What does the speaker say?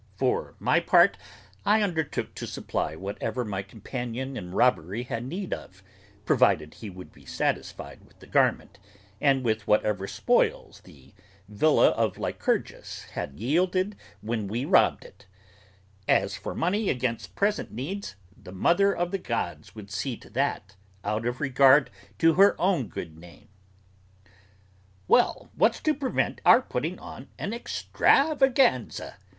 For my part, I undertook to supply whatever my companion in robbery had need of, provided he would be satisfied with the garment, and with whatever spoils the villa of Lycurgus had yielded when we robbed it; as for money against present needs, the Mother of the Gods would see to that, out of regard to her own good name! "Well, what's to prevent our putting on an extravaganza?"